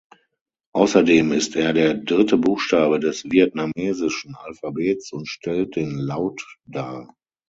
Außerdem ist er der dritte Buchstabe des vietnamesischen Alphabets und stellt den Laut dar.